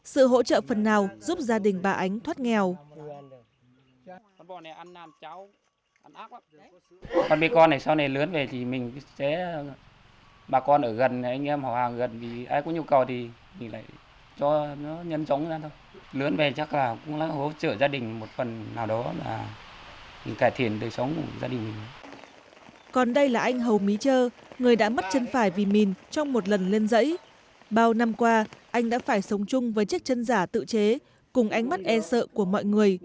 sự hỗ trợ phần nào giúp gia đình bà ánh thoát nghèo